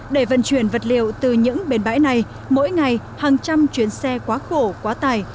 để vận chuyển vật liệu từ những bến bãi này mỗi ngày hàng trăm chuyến xe quá khổ quá tải